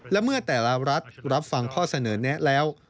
และเมื่อแต่ละรัฐรับฟังข้อเสนอแนะแล้ว